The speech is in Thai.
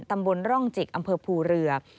ตำบลร่องจิกอำเภอภูเรือ